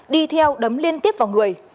đi theo đấm liên tiếp vào người